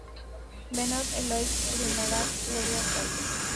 Benoit logró la primera caída.